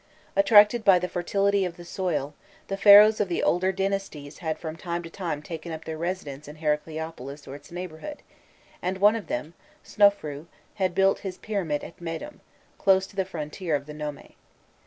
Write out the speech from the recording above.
Attracted by the fertility of the soil, the Pharaohs of the older dynasties had from time to time taken up their residence in Heracleopolis or its neighbourhood, and one of them Snofrûi had built his pyramid at Mêdûm, close to the frontier of the nome.